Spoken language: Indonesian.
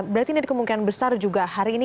berarti ini kemungkinan besar juga hari ini